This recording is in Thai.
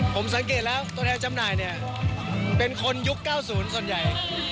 ผมสังเกตแล้วตัวแทนจำหน่ายเนี่ยเป็นคนยุค๙๐ส่วนใหญ่